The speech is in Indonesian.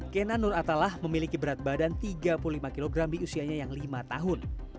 kena nur atallah memiliki berat badan tiga puluh lima kg di usianya yang lima tahun